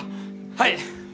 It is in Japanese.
はい！